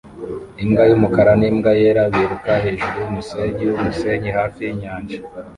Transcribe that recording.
imbwa y'umukara n'imbwa yera biruka hejuru yumusenyi wumusenyi hafi yinyanja